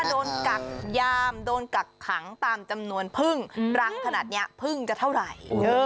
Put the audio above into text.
โดนกักยามโดนกักขังตามจำนวนพึ่งรังขนาดนี้พึ่งจะเท่าไหร่